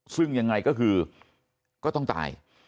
ซึ่งยังไงก็คือก็ต้องตาย